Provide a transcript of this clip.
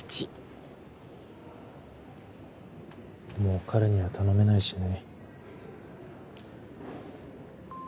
もう彼には頼めないしね。